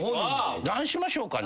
何しましょうかね。